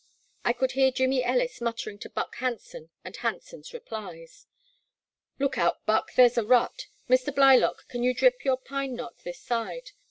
I could hear Jimmy Ellis muttering to Buck Hanson, and Hanson's replies. I/x>k out, Buck, here *s a rut, — Mr. Blylock, can you dip your pine knot this side